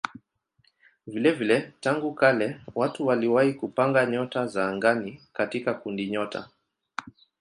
Vilevile tangu kale watu waliwahi kupanga nyota za angani katika kundinyota.